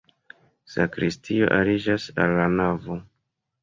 Sakristio aliĝas al la navo.